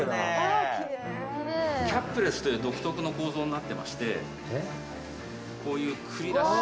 キャップレスという独特の構造になってましてこういう繰り出し。